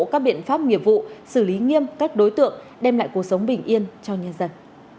các biện pháp nghiệp vụ xử lý nghiêm các đối tượng đem lại cuộc sống bình yên cho nhân dân